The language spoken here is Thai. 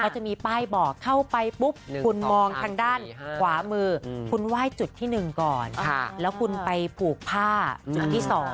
ที่ไปไปทานศาลหลักเมือง